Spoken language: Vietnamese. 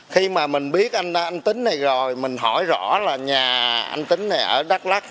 khi mà mình biết anh tính này rồi mình hỏi rõ là nhà anh tính này ở đắk lắc